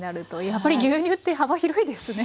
やっぱり牛乳って幅広いですね